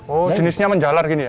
oh jenisnya menjalar gini ya